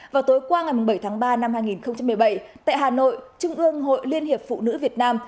vào tối qua ngày bảy tháng ba năm hai nghìn một mươi bảy tại hà nội trung ương hội liên hiệp phụ nữ việt nam